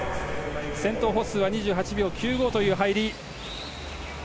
先頭、ホッスーは２８秒９５という入り。